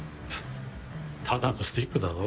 ただのスティックだろ？